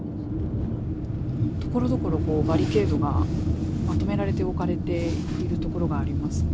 ところどころバリケードがまとめられて置かれているところがありますね。